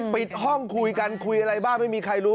ปิดห้องคุยกันคุยอะไรบ้างไม่มีใครรู้